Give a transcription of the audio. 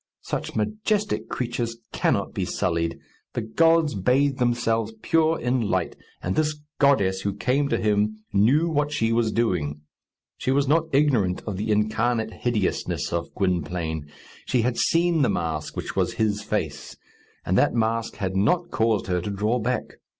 Such majestic creatures cannot be sullied. The gods bathe themselves pure in light; and this goddess who came to him knew what she was doing. She was not ignorant of the incarnate hideousness of Gwynplaine. She had seen the mask which was his face; and that mask had not caused her to draw back.